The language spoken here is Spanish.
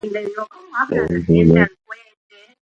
Si no, tendrían mucho que sufrir.